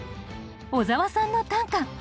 小沢さんの短歌。